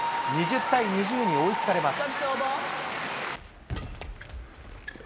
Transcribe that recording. ２０対２０に追いつかれます。